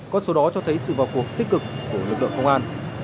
con số đó cho thấy sự vào cuộc tích cực của lực lượng công an